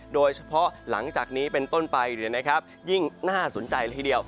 โดยเฉพาะหลังจากนี้เป็นต้นไปยิ่งน่าสนใจละทีเดียว